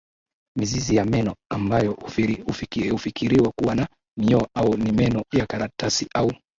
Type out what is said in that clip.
mizizi ya meno ambayo hufikiriwa kuwa na minyoo au ni meno ya karatasi au